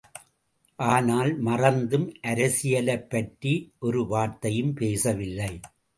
ஆனால் மறந்தும் அரசியலைப் பற்றி ஒரு வார்த்தையும் பேசவில்லை.